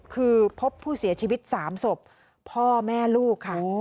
คือพบผู้เสียชีวิต๓ศพพ่อแม่ลูกค่ะ